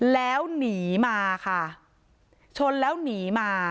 แล้วหนีมาค่ะชนแล้วหนีมา